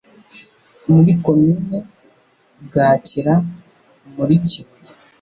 muri Komini Bwakira muri Kibuye